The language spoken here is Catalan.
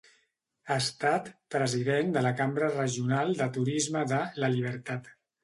Ha estat president de la Cambra Regional de Turisme de La Libertad.